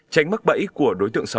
tránh mắc bẫy của đối tượng xấu